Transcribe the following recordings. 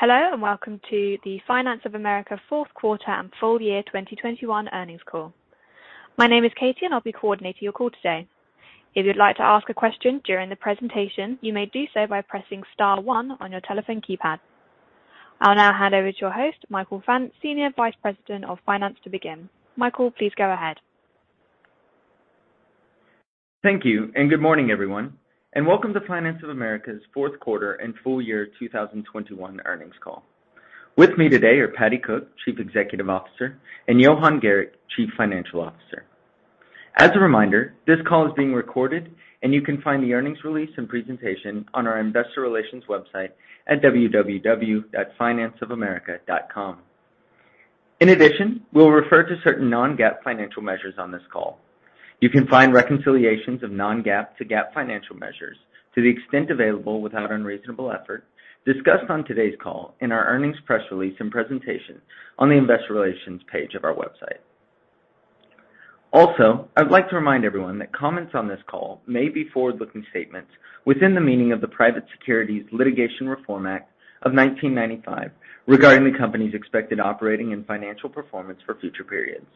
Hello, and welcome to the Finance of America fourth quarter and full year 2021 earnings call. My name is Katie, and I'll be coordinating your call today. If you'd like to ask a question during the presentation, you may do so by pressing star one on your telephone keypad. I'll now hand over to your host, Michael Fant, Senior Vice President of Finance to begin. Michael, please go ahead. Thank you, and good morning, everyone, and welcome to Finance of America's fourth quarter and full year 2021 earnings call. With me today are Patti Cook, Chief Executive Officer, and Johan Gericke, Chief Financial Officer. As a reminder, this call is being recorded, and you can find the earnings release and presentation on our investor relations website at www.financeofamerica.com. In addition, we'll refer to certain non-GAAP financial measures on this call. You can find reconciliations of non-GAAP to GAAP financial measures to the extent available without unreasonable effort discussed on today's call in our earnings press release and presentation on the investor relations page of our website. Also, I'd like to remind everyone that comments on this call may be forward-looking statements within the meaning of the Private Securities Litigation Reform Act of 1995 regarding the company's expected operating and financial performance for future periods.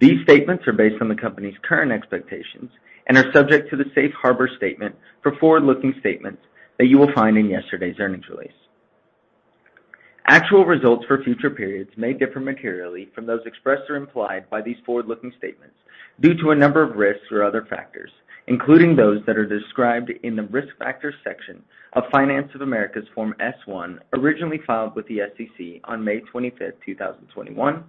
These statements are based on the company's current expectations and are subject to the safe harbor statement for forward-looking statements that you will find in yesterday's earnings release. Actual results for future periods may differ materially from those expressed or implied by these forward-looking statements due to a number of risks or other factors, including those that are described in the Risk Factors section of Finance of America's Form S-1 originally filed with the SEC on May 25th, 2021,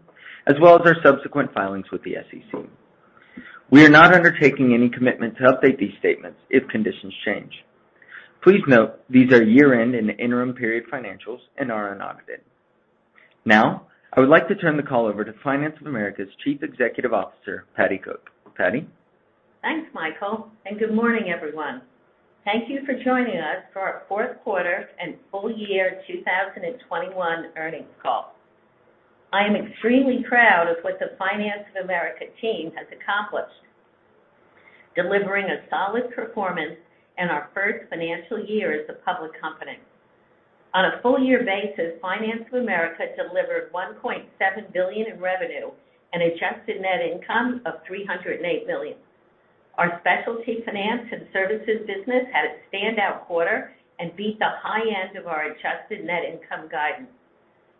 as well as our subsequent filings with the SEC. We are not undertaking any commitment to update these statements if conditions change. Please note, these are year-end and interim period financials and are unaudited. Now, I would like to turn the call over to Finance of America's Chief Executive Officer, Patti Cook. Patti? Thanks, Michael, and good morning, everyone. Thank you for joining us for our fourth quarter and full year 2021 earnings call. I am extremely proud of what the Finance of America team has accomplished, delivering a solid performance in our first financial year as a public company. On a full year basis, Finance of America delivered $1.7 billion in revenue and Adjusted Net Income of $308 million. Our specialty finance and services business had a standout quarter and beat the high end of our Adjusted Net Income guidance.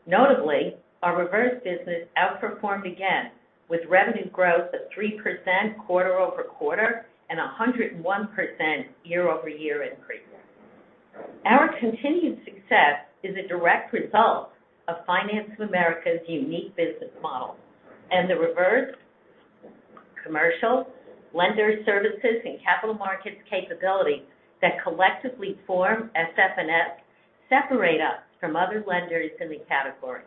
Notably, our reverse business outperformed again with revenue growth of 3% quarter-over-quarter and a 101% year-over-year increase. Our continued success is a direct result of Finance of America's unique business model and the reverse commercial lender services and capital markets capabilities that collectively form SF&S, separate us from other lenders in the category.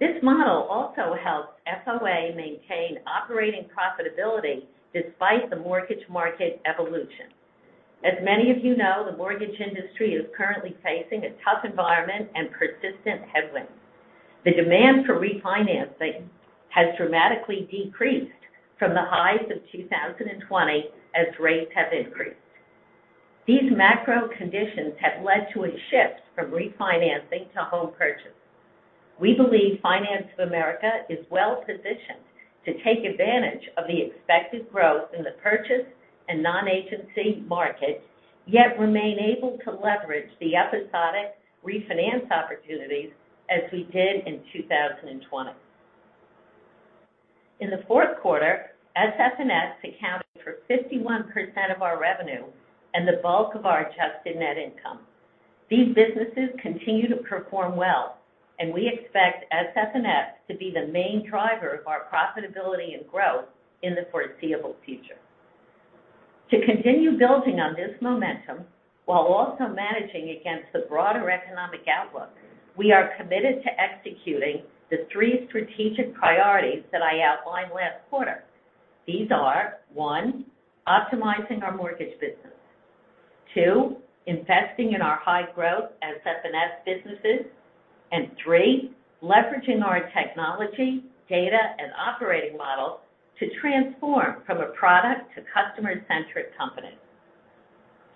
This model also helps FOA maintain operating profitability despite the mortgage market evolution. As many of you know, the mortgage industry is currently facing a tough environment and persistent headwinds. The demand for refinancing has dramatically decreased from the highs of 2020 as rates have increased. These macro conditions have led to a shift from refinancing to home purchase. We believe Finance of America is well-positioned to take advantage of the expected growth in the purchase and non-agency markets, yet remain able to leverage the episodic refinance opportunities as we did in 2020. In the fourth quarter, SF&S accounted for 51% of our revenue and the bulk of our Adjusted Net Income. These businesses continue to perform well, and we expect SF&S to be the main driver of our profitability and growth in the foreseeable future. To continue building on this momentum while also managing against the broader economic outlook, we are committed to executing the three strategic priorities that I outlined last quarter. These are, one, optimizing our mortgage business. Two, investing in our high-growth SF&S businesses. And three, leveraging our technology, data, and operating model to transform from a product to customer-centric company.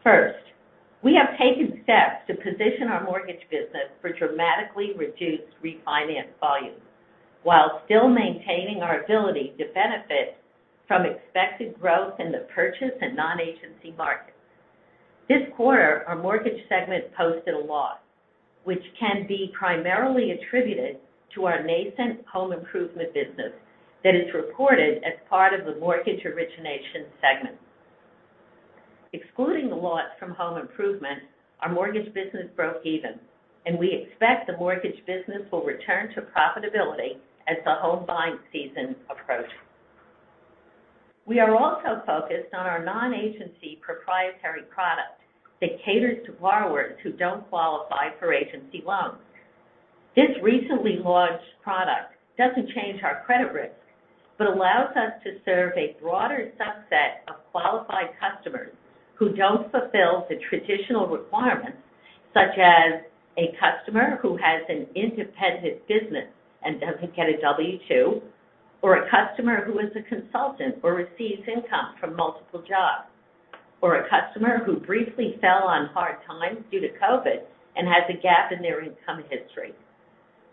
First, we have taken steps to position our mortgage business for dramatically reduced refinance volumes while still maintaining our ability to benefit from expected growth in the purchase and non-agency markets. This quarter, our mortgage segment posted a loss, which can be primarily attributed to our nascent home improvement business that is reported as part of the mortgage origination segment. Excluding the loss from home improvement, our mortgage business broke even, and we expect the mortgage business will return to profitability as the home buying season approaches. We are also focused on our non-agency proprietary product that caters to borrowers who don't qualify for agency loans. This recently launched product doesn't change our credit risk, but allows us to serve a broader subset of qualified customers who don't fulfill the traditional requirements, such as a customer who has an independent business and doesn't get a W-2, or a customer who is a consultant or receives income from multiple jobs, or a customer who briefly fell on hard times due to COVID and has a gap in their income history.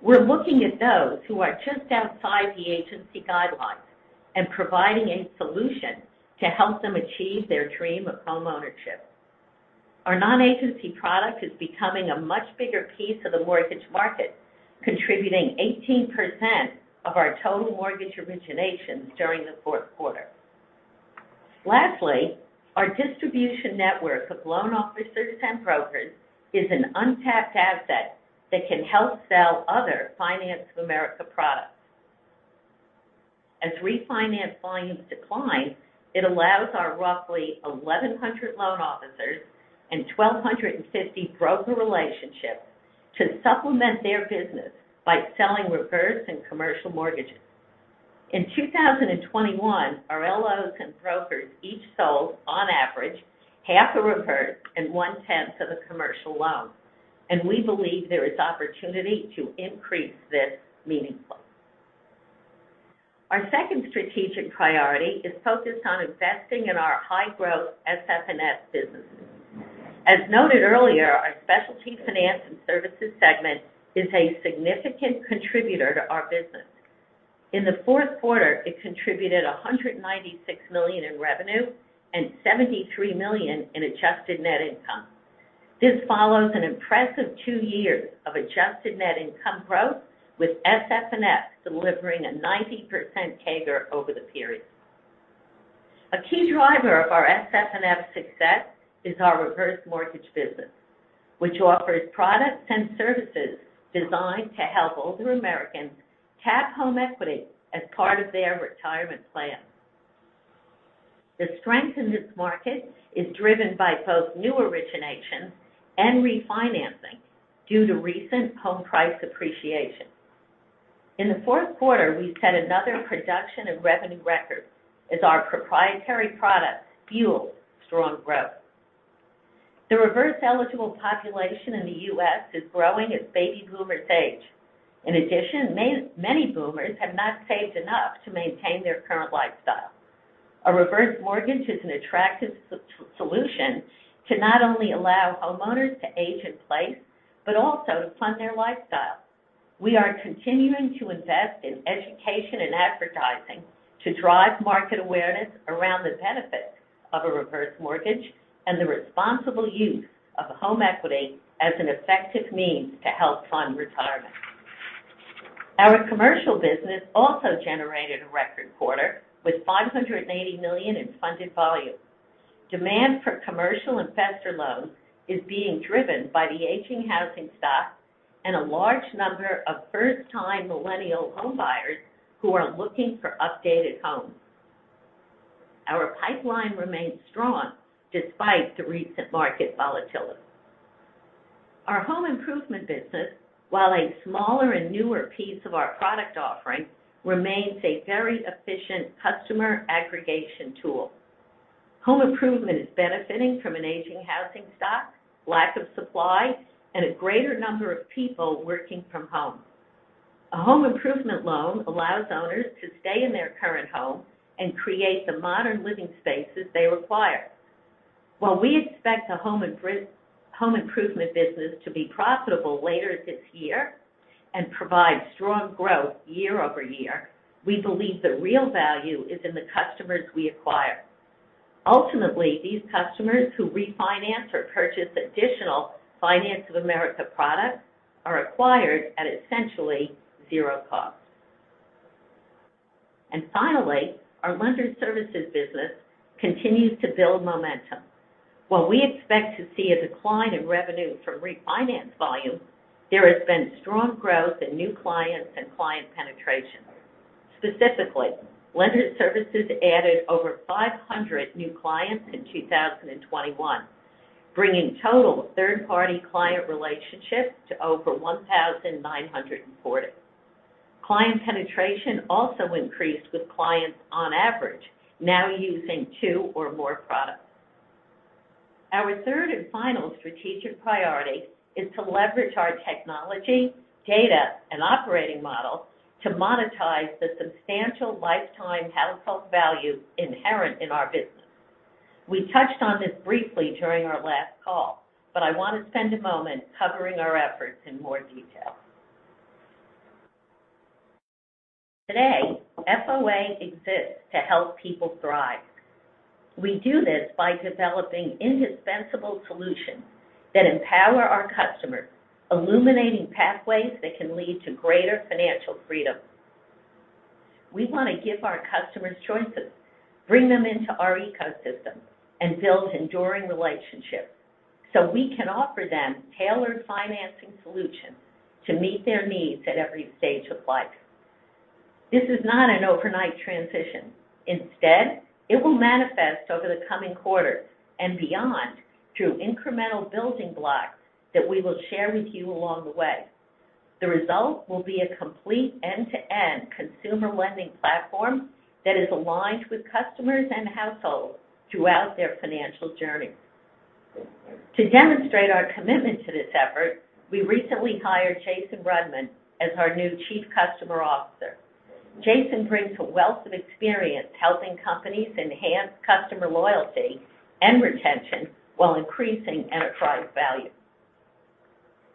We're looking at those who are just outside the agency guidelines and providing a solution to help them achieve their dream of homeownership. Our non-agency product is becoming a much bigger piece of the mortgage market, contributing 18% of our total mortgage originations during the fourth quarter. Lastly, our distribution network of loan officers and brokers is an untapped asset that can help sell other Finance of America products. As refinance volumes decline, it allows our roughly 1,100 loan officers and 1,250 broker relationships to supplement their business by selling reverse and commercial mortgages. In 2021, our LOs and brokers each sold, on average, half a reverse and one-tenth of a commercial loan, and we believe there is opportunity to increase this meaningfully. Our second strategic priority is focused on investing in our high-growth SF&S businesses. As noted earlier, our Specialty Finance and Services segment is a significant contributor to our business. In the fourth quarter, it contributed $196 million in revenue and $73 million in adjusted net income. This follows an impressive two years of adjusted net income growth with SF&S delivering a 90% CAGR over the period. A key driver of our SF&S success is our reverse mortgage business, which offers products and services designed to help older Americans tap home equity as part of their retirement plan. The strength in this market is driven by both new originations and refinancing due to recent home price appreciation. In the fourth quarter, we set another production and revenue record as our proprietary products fueled strong growth. The reverse eligible population in the U.S. is growing as baby boomers age. In addition, many boomers have not saved enough to maintain their current lifestyle. A reverse mortgage is an attractive solution to not only allow homeowners to age in place, but also to fund their lifestyle. We are continuing to invest in education and advertising to drive market awareness around the benefits of a reverse mortgage and the responsible use of home equity as an effective means to help fund retirement. Our commercial business also generated a record quarter with $580 million in funded volume. Demand for commercial investor loans is being driven by the aging housing stock and a large number of first-time millennial homebuyers who are looking for updated homes. Our pipeline remains strong despite the recent market volatility. Our home improvement business, while a smaller and newer piece of our product offering, remains a very efficient customer aggregation tool. Home improvement is benefiting from an aging housing stock, lack of supply, and a greater number of people working from home. A home improvement loan allows owners to stay in their current home and create the modern living spaces they require. While we expect the home improvement business to be profitable later this year and provide strong growth year-over-year, we believe the real value is in the customers we acquire. Ultimately, these customers who refinance or purchase additional Finance of America products are acquired at essentially zero cost. Finally, our Lender Services business continues to build momentum. While we expect to see a decline in revenue from refinance volume, there has been strong growth in new clients and client penetration. Specifically, Lender Services added over 500 new clients in 2021, bringing total third-party client relationships to over 1,940. Client penetration also increased, with clients on average now using 2 or more products. Our third and final strategic priority is to leverage our technology, data, and operating model to monetize the substantial lifetime household value inherent in our business. We touched on this briefly during our last call, but I want to spend a moment covering our efforts in more detail. Today, FOA exists to help people thrive. We do this by developing indispensable solutions that empower our customers, illuminating pathways that can lead to greater financial freedom. We want to give our customers choices, bring them into our ecosystem, and build enduring relationships so we can offer them tailored financing solutions to meet their needs at every stage of life. This is not an overnight transition. Instead, it will manifest over the coming quarters and beyond through incremental building blocks that we will share with you along the way. The result will be a complete end-to-end consumer lending platform that is aligned with customers and households throughout their financial journey. To demonstrate our commitment to this effort, we recently hired Jason Rudman as our new Chief Customer Officer. Jason brings a wealth of experience helping companies enhance customer loyalty and retention while increasing enterprise value.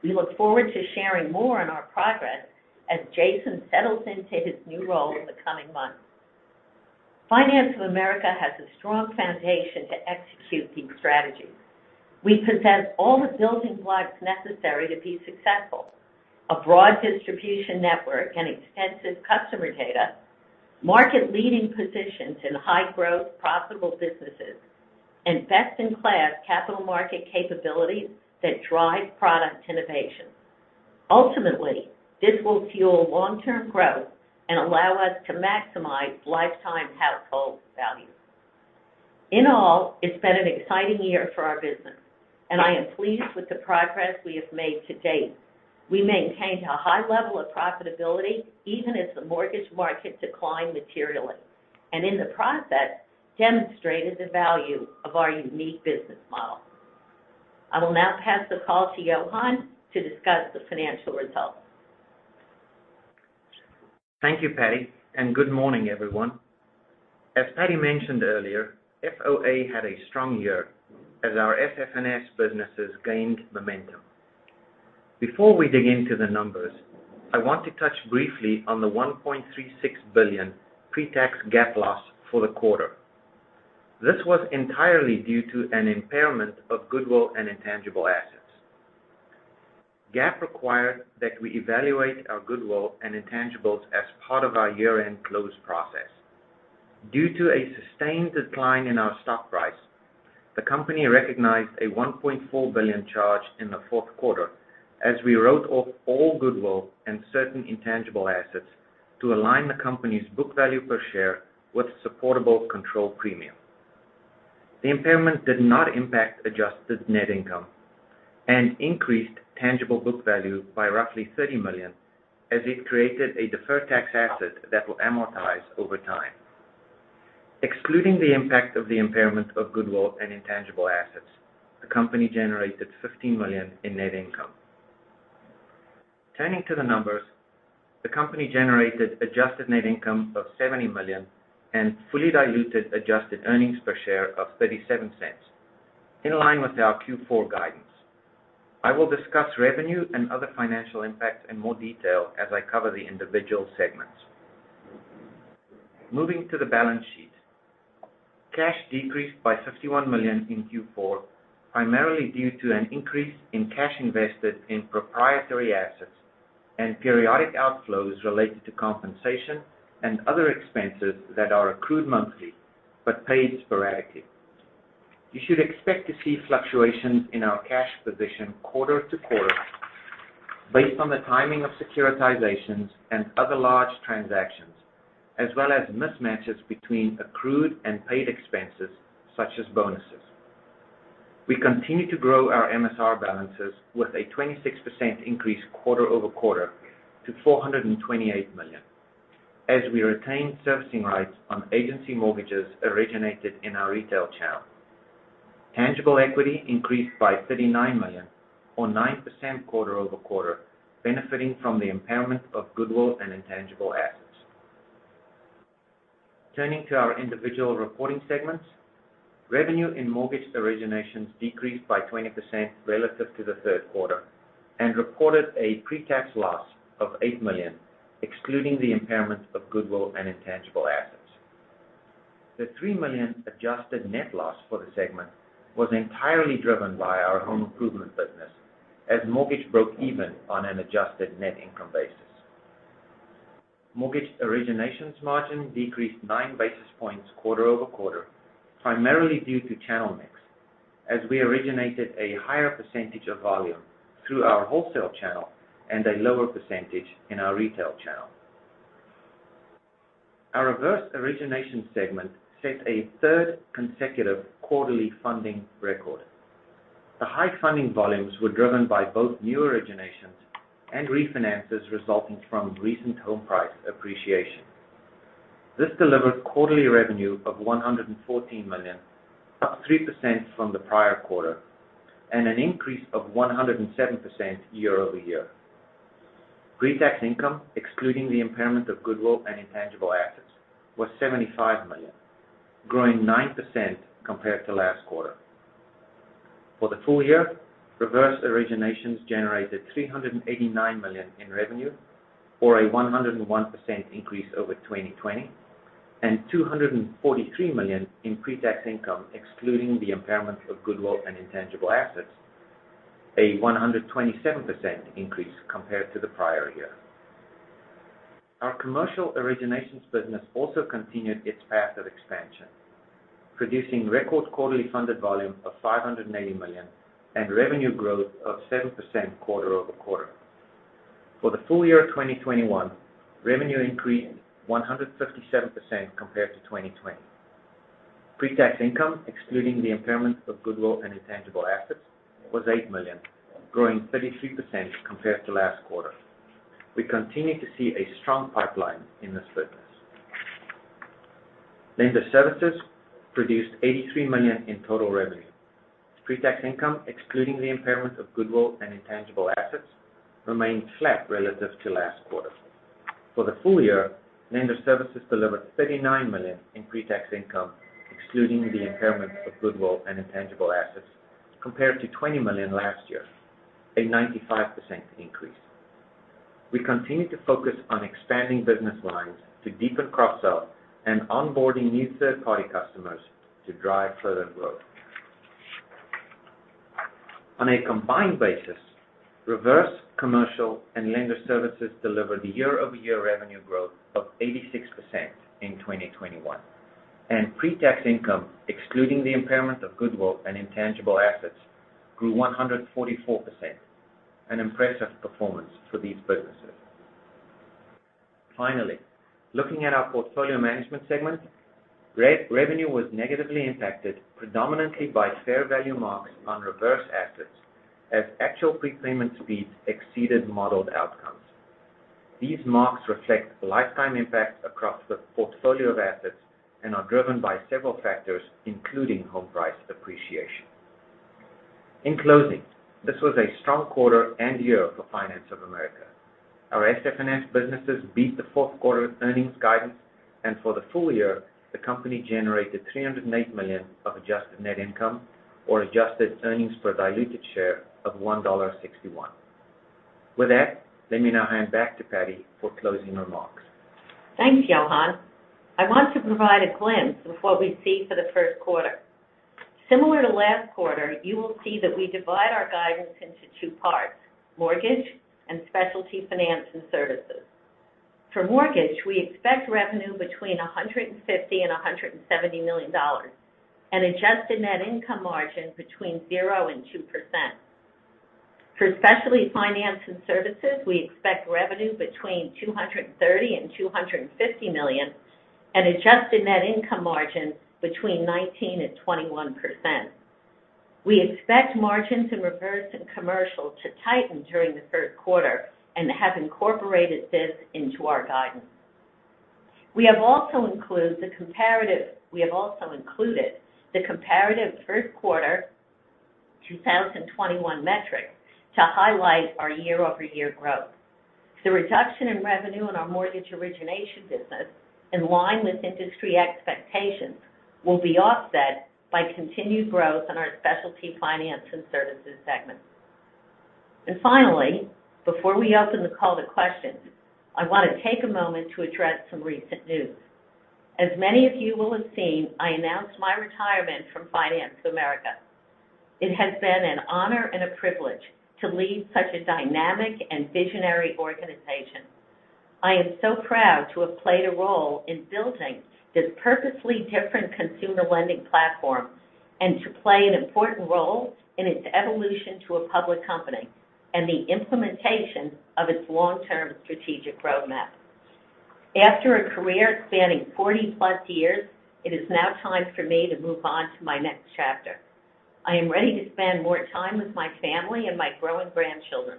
We look forward to sharing more on our progress as Jason settles into his new role in the coming months. Finance of America has a strong foundation to execute these strategies. We possess all the building blocks necessary to be successful. A broad distribution network and extensive customer data, market-leading positions in high-growth, profitable businesses, and best-in-class capital market capabilities that drive product innovation. Ultimately, this will fuel long-term growth and allow us to maximize lifetime household value. In all, it's been an exciting year for our business, and I am pleased with the progress we have made to date. We maintained a high level of profitability, even as the mortgage market declined materially, and in the process, demonstrated the value of our unique business model. I will now pass the call to Johan to discuss the financial results. Thank you, Patti, and good morning, everyone. As Patti mentioned earlier, FOA had a strong year as our SF&S businesses gained momentum. Before we dig into the numbers, I want to touch briefly on the $1.36 billion pre-tax GAAP loss for the quarter. This was entirely due to an impairment of goodwill and intangible assets. GAAP required that we evaluate our goodwill and intangibles as part of our year-end close process. Due to a sustained decline in our stock price, the company recognized a $1.4 billion charge in the fourth quarter as we wrote off all goodwill and certain intangible assets to align the company's book value per share with supportable control premium. The impairment did not impact adjusted net income and increased tangible book value by roughly $30 million, as it created a deferred tax asset that will amortize over time. Excluding the impact of the impairment of goodwill and intangible assets, the company generated $15 million in net income. Turning to the numbers, the company generated Adjusted Net Income of $70 million and fully diluted Adjusted Earnings Per Share of $0.37, in line with our Q4 guidance. I will discuss revenue and other financial impacts in more detail as I cover the individual segments. Moving to the balance sheet. Cash decreased by $51 million in Q4, primarily due to an increase in cash invested in proprietary assets and periodic outflows related to compensation and other expenses that are accrued monthly but paid sporadically. You should expect to see fluctuations in our cash position quarter to quarter based on the timing of securitizations and other large transactions, as well as mismatches between accrued and paid expenses, such as bonuses. We continue to grow our MSR balances with a 26% increase quarter-over-quarter to $428 million as we retain servicing rights on agency mortgages originated in our retail channel. Tangible equity increased by $39 million or 9% quarter-over-quarter, benefiting from the impairment of goodwill and intangible assets. Turning to our individual reporting segments, revenue in mortgage originations decreased by 20% relative to the third quarter and reported a pre-tax loss of $8 million, excluding the impairment of goodwill and intangible assets. The $3 million adjusted net loss for the segment was entirely driven by our home improvement business as mortgage broke even on an adjusted net income basis. Mortgage originations margin decreased 9 basis points quarter-over-quarter, primarily due to channel mix, as we originated a higher percentage of volume through our wholesale channel and a lower percentage in our retail channel. Our reverse origination segment set a third consecutive quarterly funding record. The high funding volumes were driven by both new originations and refinances resulting from recent home price appreciation. This delivered quarterly revenue of $114 million, up 3% from the prior quarter, and an increase of 107% year-over-year. Pre-tax income, excluding the impairment of goodwill and intangible assets, was $75 million, growing 9% compared to last quarter. For the full year, reverse originations generated $389 million in revenue, or a 101% increase over 2020, and $243 million in pre-tax income, excluding the impairment of goodwill and intangible assets, a 127% increase compared to the prior year. Our commercial originations business also continued its path of expansion, producing record quarterly funded volume of $580 million and revenue growth of 7% quarter-over-quarter. For the full year of 2021, revenue increased 157% compared to 2020. Pre-tax income, excluding the impairment of goodwill and intangible assets, was $8 million, growing 33% compared to last quarter. We continue to see a strong pipeline in this business. Lender Services produced $83 million in total revenue. Pre-tax income, excluding the impairment of goodwill and intangible assets, remained flat relative to last quarter. For the full year, Lender Services delivered $39 million in pre-tax income, excluding the impairment of goodwill and intangible assets compared to $20 million last year, a 95% increase. We continue to focus on expanding business lines to deepen cross-sell and onboarding new third-party customers to drive further growth. On a combined basis, Reverse, Commercial, and Lender Services delivered a year-over-year revenue growth of 86% in 2021. Pre-tax income, excluding the impairment of goodwill and intangible assets, grew 144%, an impressive performance for these businesses. Finally, looking at our Portfolio Management segment, revenue was negatively impacted predominantly by fair value marks on reverse assets as actual prepayment speeds exceeded modeled outcomes. These marks reflect lifetime impacts across the portfolio of assets and are driven by several factors, including home price appreciation. In closing, this was a strong quarter and year for Finance of America. Our SF&S businesses beat the fourth quarter earnings guidance, and for the full year, the company generated $308 million of adjusted net income or adjusted earnings per diluted share of $1.61. With that, let me now hand back to Patti for closing remarks. Thanks, Johan. I want to provide a glimpse of what we see for the first quarter. Similar to last quarter, you will see that we divide our guidance into two parts, mortgage and specialty finance and services. For mortgage, we expect revenue between $150 million and $170 million, an adjusted net income margin between 0% and 2%. For specialty finance and services, we expect revenue between $230 million and $250 million, an adjusted net income margin between 19% and 21%. We expect margins in Reverse and Commercial to tighten during the third quarter and have incorporated this into our guidance. We have also included the comparative first quarter 2021 metrics to highlight our year-over-year growth. The reduction in revenue in our mortgage origination business, in line with industry expectations, will be offset by continued growth in our Specialty Finance and Services segment. Finally, before we open the call to questions, I want to take a moment to address some recent news. As many of you will have seen, I announced my retirement from Finance of America. It has been an honor and a privilege to lead such a dynamic and visionary organization. I am so proud to have played a role in building this purposely different consumer lending platform and to play an important role in its evolution to a public company and the implementation of its long-term strategic roadmap. After a career spanning 40+ years, it is now time for me to move on to my next chapter. I am ready to spend more time with my family and my growing grandchildren.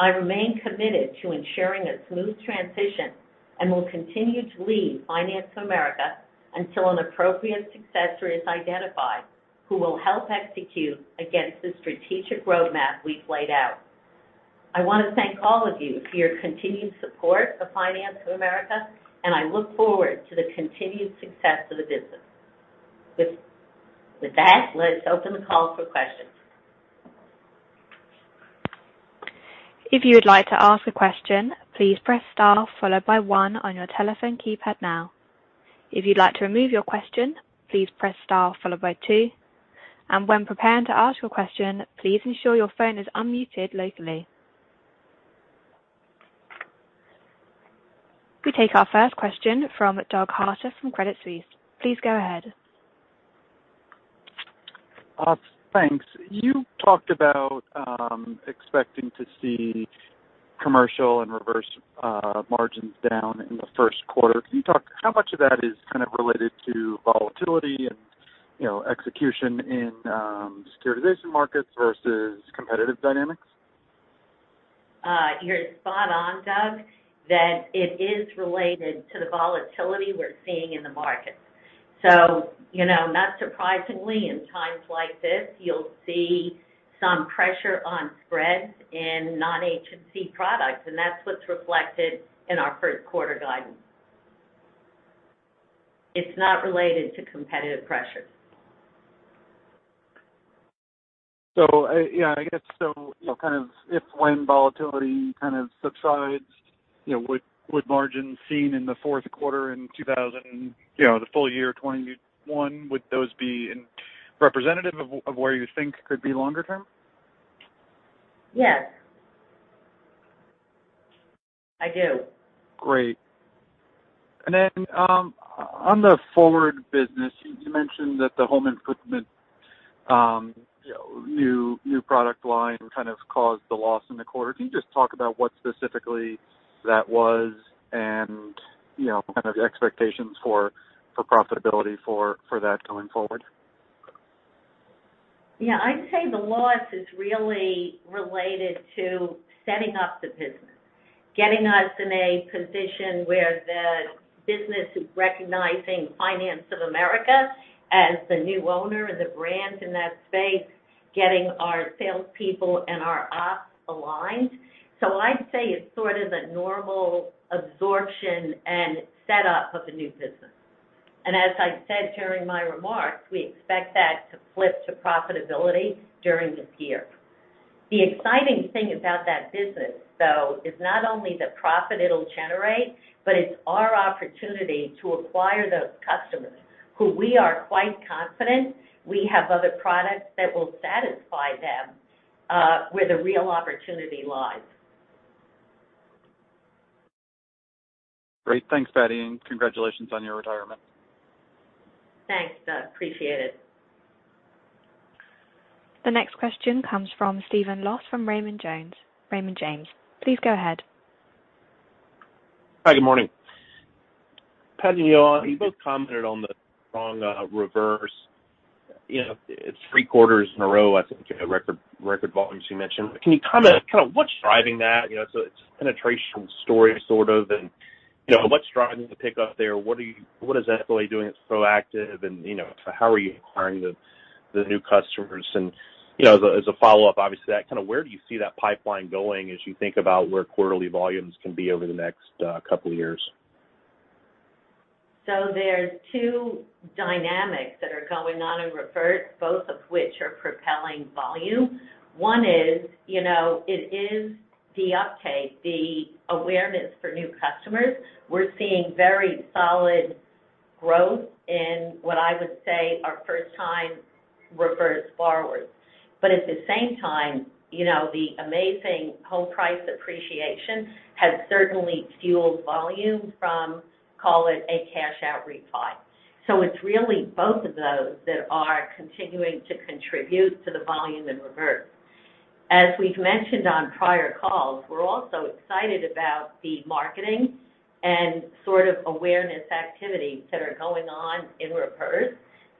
I remain committed to ensuring a smooth transition and will continue to lead Finance of America until an appropriate successor is identified who will help execute against the strategic roadmap we've laid out. I want to thank all of you for your continued support of Finance of America, and I look forward to the continued success of the business. With that, let's open the call for questions. If you'd like to ask a question please press star followed by one on your telephone keypad now. If you'd like to remove your question, please press star followed by two. And when prepare to ask your question make sure your is phone unmuted. We take our first question from Douglas Harter from Credit Suisse. Please go ahead. Thanks. You talked about expecting to see commercial and reverse margins down in the first quarter. Can you talk how much of that is kind of related to volatility and, you know, execution in securitization markets versus competitive dynamics? You're spot on, Doug, that it is related to the volatility we're seeing in the markets. You know, not surprisingly, in times like this, you'll see some pressure on spreads in non-agency products, and that's what's reflected in our first quarter guidance. It's not related to competitive pressures. Yeah, I guess so, you know, kind of if when volatility kind of subsides, you know, would margins seen in the fourth quarter in 2000, you know, the full year 2021, would those be indicative of where you think could be longer term? Yes. I do. Great. On the forward business, you mentioned that the Home Improvement, you know, new product line kind of caused the loss in the quarter. Can you just talk about what specifically that was and, you know, kind of expectations for profitability for that going forward? Yeah, I'd say the loss is really related to setting up the business, getting us in a position where the business is recognizing Finance of America as the new owner and the brand in that space, getting our salespeople and our ops aligned. I'd say it's sort of a normal absorption and setup of the new business. As I said during my remarks, we expect that to flip to profitability during this year. The exciting thing about that business, though, is not only the profit it'll generate, but it's our opportunity to acquire those customers who we are quite confident we have other products that will satisfy them, where the real opportunity lies. Great. Thanks, Patti, and congratulations on your retirement. Thanks, Doug. Appreciate it. The next question comes from Stephen Laws from Raymond James. Please go ahead. Hi. Good morning. Patti and Johan, you both commented on the strong reverse. You know, it's three quarters in a row. I think a record volumes you mentioned. Can you comment kind of what's driving that? You know, so it's a penetration story sort of. You know, what's driving the pickup there? What is FOA doing that's proactive and, you know, how are you acquiring the new customers? You know, as a follow-up, obviously that kind of where do you see that pipeline going as you think about where quarterly volumes can be over the next couple of years? There's two dynamics that are going on in reverse, both of which are propelling volume. One is, you know, it is the uptake, the awareness for new customers. We're seeing very solid growth in what I would say are first time reverse borrowers. But at the same time, you know, the amazing home price appreciation has certainly fueled volume from, call it, a cash out refi. It's really both of those that are continuing to contribute to the volume in reverse. As we've mentioned on prior calls, we're also excited about the marketing and sort of awareness activities that are going on in reverse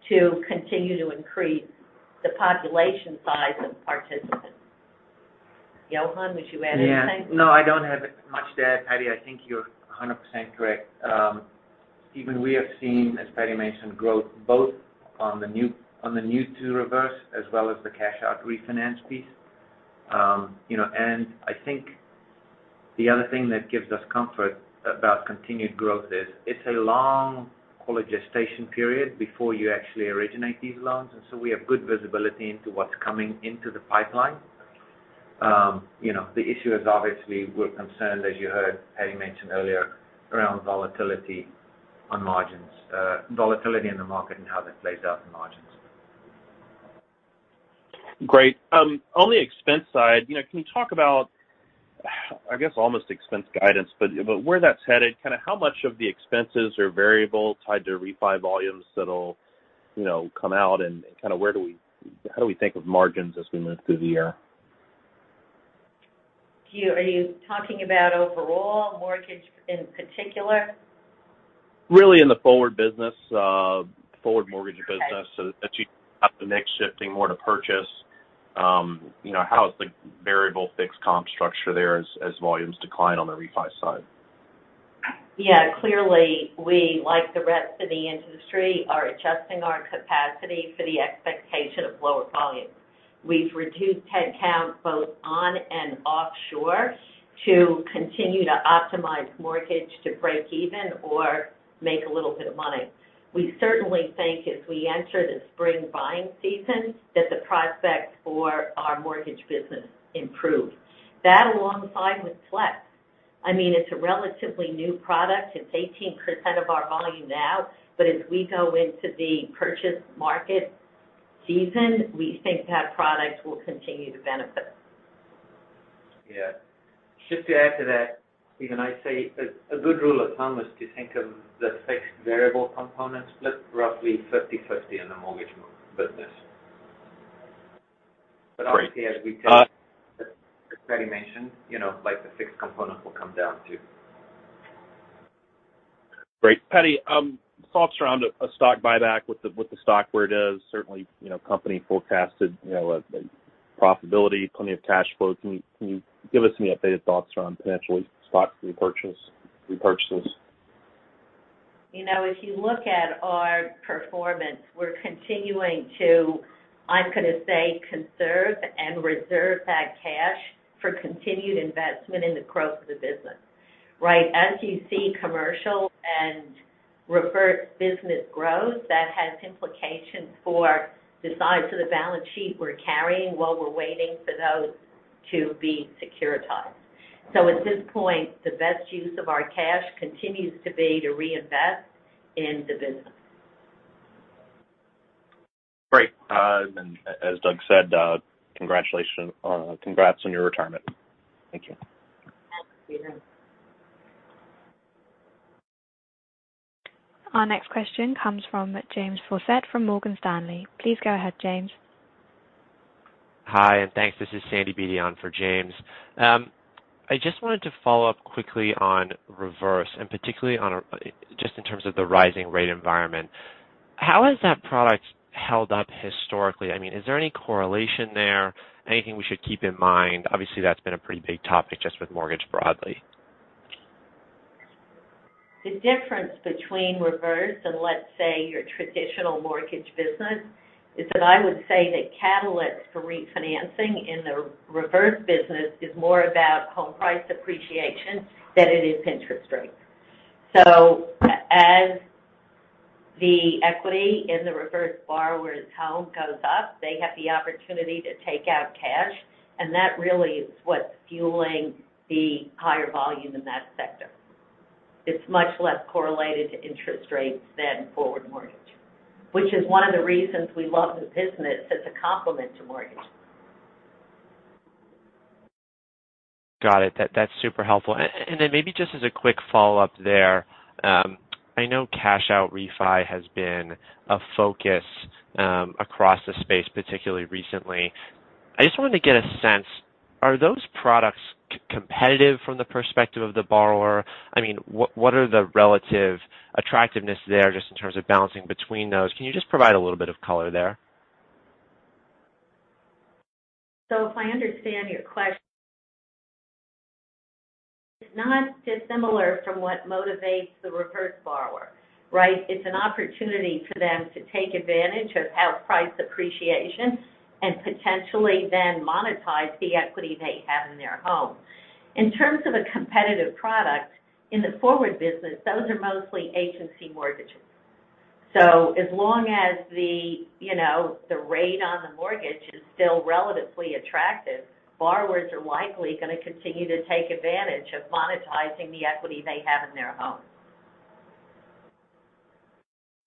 to continue to increase the population size of participants. Johan, would you add anything? Yeah. No, I don't have much to add, Patti. I think you're 100% correct. Even we have seen, as Patti mentioned, growth both on the new to reverse as well as the cash out refinance piece. You know, I think the other thing that gives us comfort about continued growth is it's a long, call it, gestation period before you actually originate these loans, and so we have good visibility into what's coming into the pipeline. You know, the issue is obviously we're concerned, as you heard Patti mention earlier, around volatility on margins, volatility in the market and how that plays out in margins. Great. On the expense side, you know, can you talk about, I guess, almost expense guidance, but where that's headed, kind of how much of the expenses are variable tied to refi volumes that'll, you know, come out and kind of how do we think of margins as we move through the year? Are you talking about overall mortgage in particular? Really in the forward business, forward mortgage business. As you have the mix shifting more to purchase, you know, how is the variable fixed comp structure there as volumes decline on the refi side? Yeah, clearly, we, like the rest of the industry, are adjusting our capacity for the expectation of lower volume. We've reduced headcount both onshore and offshore to continue to optimize mortgage to break even or make a little bit of money. We certainly think as we enter the spring buying season that the prospects for our mortgage business improve. That alongside with Flex. I mean, it's a relatively new product. It's 18% of our volume now, but as we go into the purchase market season, we think that product will continue to benefit. Yeah. Just to add to that, even I'd say a good rule of thumb is to think of the fixed variable component split roughly 50/50 in the mortgage business. Obviously, as we said, as Patti mentioned, you know, like, the fixed component will come down, too. Great. Patti, thoughts around a stock buyback with the stock where it is. Certainly, you know, company forecasted, you know, a profitability, plenty of cash flow. Can you give us any updated thoughts around potentially stock repurchases? You know, if you look at our performance, we're continuing to, I'm gonna say, conserve and reserve that cash for continued investment in the growth of the business, right? As you see commercial and reverse business growth, that has implications for the size of the balance sheet we're carrying while we're waiting for those to be securitized. At this point, the best use of our cash continues to be to reinvest in the business. Great. As Doug said, congrats on your retirement. Thank you. Thanks, Stephen. Our next question comes from James Faucette from Morgan Stanley. Please go ahead, James. Hi, thanks. This is Sandy Beatty for James. I just wanted to follow up quickly on reverse, and particularly just in terms of the rising rate environment. How has that product held up historically? I mean, is there any correlation there? Anything we should keep in mind? Obviously, that's been a pretty big topic just with mortgage broadly. The difference between reverse and, let's say, your traditional mortgage business is that I would say the catalyst for refinancing in the reverse business is more about home price appreciation than it is interest rates. As the equity in the reverse borrower's home goes up, they have the opportunity to take out cash, and that really is what's fueling the higher volume in that sector. It's much less correlated to interest rates than forward mortgage, which is one of the reasons we love the business as a complement to mortgage. Got it. That's super helpful. Maybe just as a quick follow-up there, I know cash out refi has been a focus across the space, particularly recently. I just wanted to get a sense, are those products competitive from the perspective of the borrower? I mean, what are the relative attractiveness there just in terms of balancing between those? Can you just provide a little bit of color there? If I understand your question. It's not dissimilar from what motivates the reverse borrower, right? It's an opportunity for them to take advantage of house price appreciation and potentially then monetize the equity they have in their home. In terms of a competitive product, in the forward business, those are mostly agency mortgages. As long as the, you know, the rate on the mortgage is still relatively attractive, borrowers are likely gonna continue to take advantage of monetizing the equity they have in their home.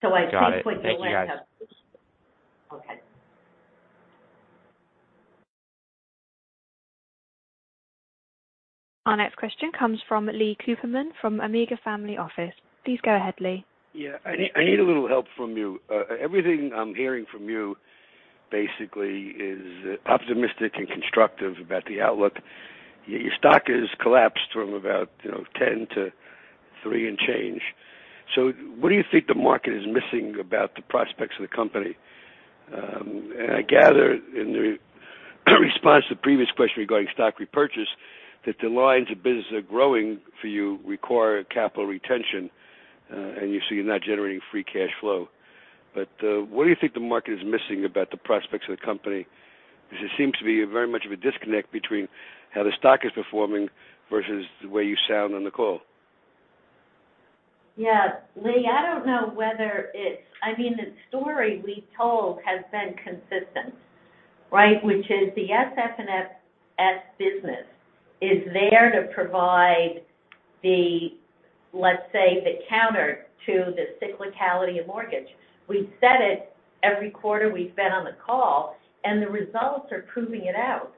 I think what you're. Got it. Thank you, guys. Okay. Our next question comes from Leon Cooperman from Omega Family Office. Please go ahead, Lee. Yeah. I need a little help from you. Everything I'm hearing from you basically is optimistic and constructive about the outlook. Your stock has collapsed from about 10 to three and change. What do you think the market is missing about the prospects of the company? I gather in the response to the previous question regarding stock repurchase that the lines of business that are growing for you require capital retention, and you're not generating free cash flow. What do you think the market is missing about the prospects of the company? Because there seems to be very much of a disconnect between how the stock is performing versus the way you sound on the call. Yeah. Lee, I don't know whether it's, I mean, the story we told has been consistent, right? Which is the SF&S business is there to provide the, let's say, the counter to the cyclicality of mortgage. We've said it every quarter we've been on the call, and the results are proving it out.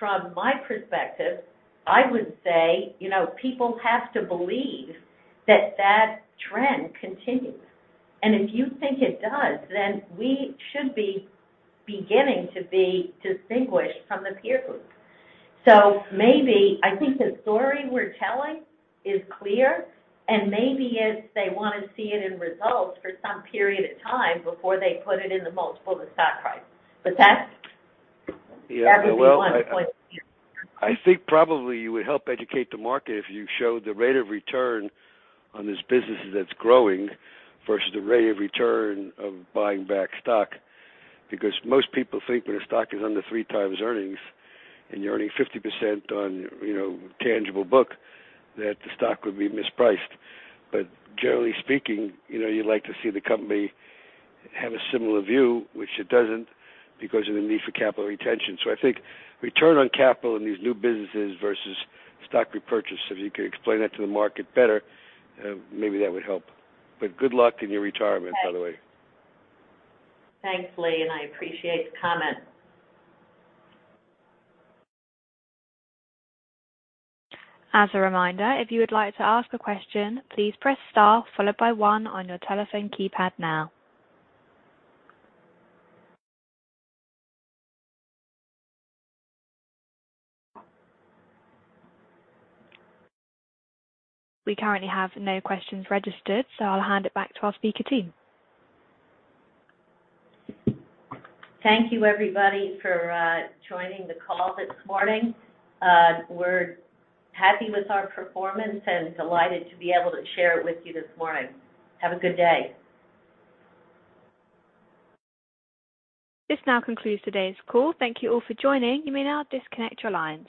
From my perspective, I would say, you know, people have to believe that that trend continues. If you think it does, then we should be beginning to be distinguished from the peer group. Maybe I think the story we're telling is clear, and maybe if they wanna see it in results for some period of time before they put it in the multiple, the stock price. But that's. Yeah. Well, Everything I want to point to you. I think probably you would help educate the market if you showed the rate of return on this business that's growing versus the rate of return of buying back stock. Because most people think when a stock is under three times earnings and you're earning 50% on, you know, tangible book, that the stock would be mispriced. Generally speaking, you know, you'd like to see the company have a similar view, which it doesn't, because of the need for capital retention. I think return on capital in these new businesses versus stock repurchase, if you could explain that to the market better, maybe that would help. Good luck in your retirement, by the way. Thanks, Lee, and I appreciate the comment. As a reminder, if you would like to ask a question, please press star followed by one on your telephone keypad now. We currently have no questions registered, so I'll hand it back to our speaker team. Thank you, everybody, for joining the call this morning. We're happy with our performance and delighted to be able to share it with you this morning. Have a good day. This now concludes today's call. Thank you all for joining. You may now disconnect your lines.